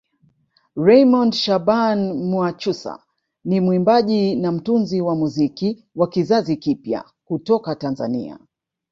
Raymond Shaban Mwakyusa ni mwimbaji na mtunzi wa muziki wa kizazi kipya kutoka Tanzania